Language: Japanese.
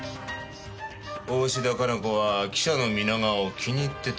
大信田加奈子は記者の皆川を気に入ってた。